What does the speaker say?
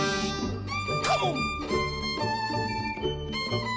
カモン！